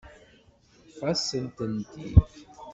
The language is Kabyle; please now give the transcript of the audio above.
Teṭṭef-asen-tent-id.